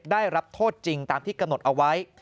ได้รับโทษจริงตามที่กำหนดเอาไว้